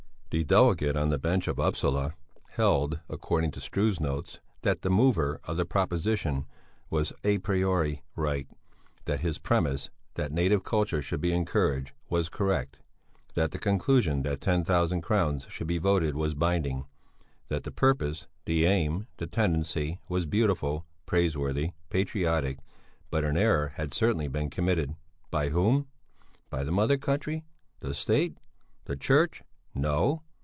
The delegate on the bench of Upsala held according to Struve's notes that the mover of the proposition was à priori right; that his premise, that native culture should be encouraged, was correct; that the conclusion that ten thousand crowns should be voted was binding; that the purpose, the aim, the tendency, was beautiful, praiseworthy, patriotic; but an error had certainly been committed. By whom? By the Mother country? The State? The church? No!